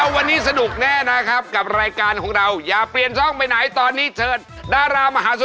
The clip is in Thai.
ดรมศนุกเข้าประจำที่เลยค่ะ